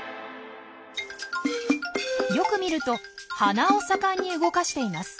よく見ると鼻を盛んに動かしています。